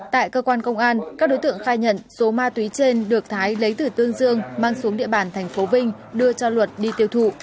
tại cơ quan công an các đối tượng khai nhận số ma túy trên được thái lấy từ tương dương mang xuống địa bàn tp vinh đưa cho luật đi tiêu thụ